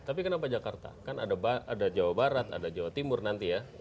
tapi kenapa jakarta kan ada jawa barat ada jawa timur nanti ya